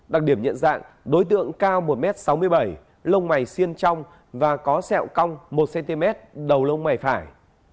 đặc điểm nhận dạng đối tượng cao một m sáu mươi bảy lông mảy xiên trong và có sẹo cong một cm đầu lông mảy phải